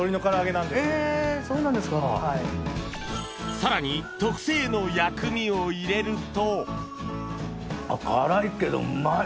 更に特製の薬味を入れると。